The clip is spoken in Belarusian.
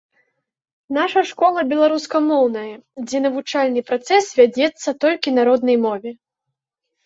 Наша школа беларускамоўная, дзе навучальны працэс вядзецца толькі на роднай мове.